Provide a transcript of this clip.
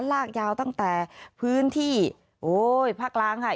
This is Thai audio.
ลากยาวตั้งแต่พื้นที่โอ้ยภาคล้างค่ะ